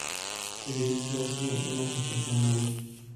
د دې کیسو اصلي اتلان پاچاهان نه وو.